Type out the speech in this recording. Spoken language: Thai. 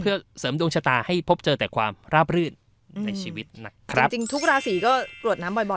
เพื่อเสริมดวงชะตาให้พบเจอแต่ความราบรื่นในชีวิตนะครับจริงจริงทุกราศีก็กรวดน้ำบ่อยบ่อย